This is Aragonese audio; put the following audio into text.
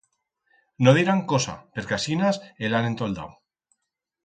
No dirán cosa... perque asinas el han entoldau.